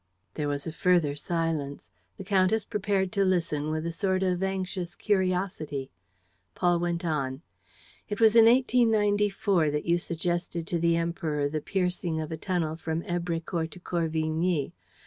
There was a further silence. The countess prepared to listen with a sort of anxious curiosity. Paul went on: "It was in 1894 that you suggested to the Emperor the piercing of a tunnel from Èbrecourt to Corvigny.